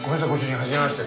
はじめまして。